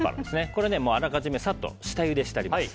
これ、あらかじめさっと下ゆでしてあります。